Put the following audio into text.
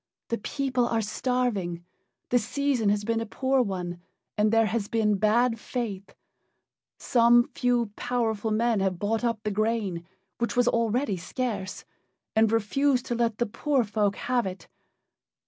The people are starving: the season has been a poor one, and there has been bad faith. Some few powerful men have bought up the grain, which was already scarce, and refuse to let the poor folk have it.